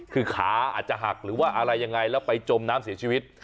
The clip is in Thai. คือขาอาจจะหักหรือว่าอะไรยังไงแล้วไปจมน้ำเสียชีวิต